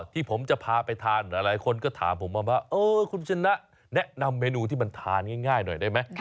ที่ผมจะพาไปทานหลายคนก็ถามผมมาว่าเออคุณชนะแนะนำเมนูที่มันทานง่ายหน่อยได้ไหม